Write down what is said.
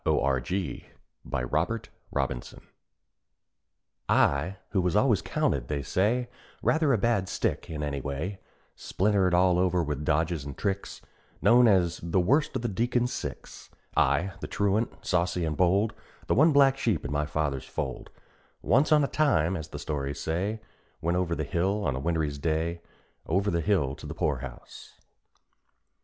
OVER THE HILL FROM THE POOR HOUSE. I, who was always counted, they say, Rather a bad stick any way, Splintered all over with dodges and tricks, Known as "the worst of the Deacon's six;" I, the truant, saucy and bold, The one black sheep in my father's fold, "Once on a time," as the stories say, Went over the hill on a winter's day Over the hill to the poor house.